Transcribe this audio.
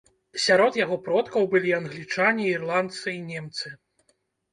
Сярод яго продкаў былі англічане, ірландцы і немцы.